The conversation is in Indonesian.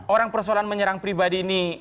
orang persoalan menyerang pribadi ini